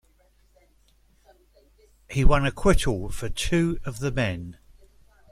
He won acquittal for two of the men.